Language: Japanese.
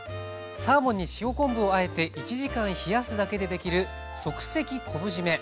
サーモンに塩昆布をあえて１時間冷やすだけで出来る即席昆布じめ。